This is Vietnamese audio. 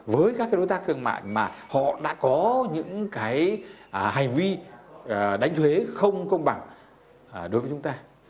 với các đối tác thương mại mà họ đã có những hành vi đánh thuế không công bằng